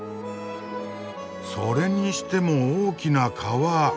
それにしても大きな川。